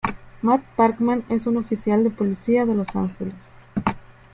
Matt Parkman es un oficial de policía de Los Angeles.